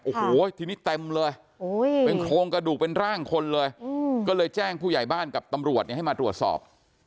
โอ้โหทีนี้เต็มเลยเป็นโครงกระดูกเป็นร่างคนเลยก็เลยแจ้งผู้ใหญ่บ้านกับตำรวจให้มาตรวจสอบ